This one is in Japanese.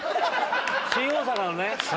新大阪のね。